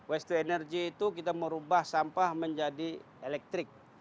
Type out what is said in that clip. waste to energy itu kita merubah sampah menjadi elektrik